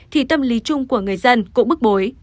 thì tâm lý chung của người dân cũng bức bối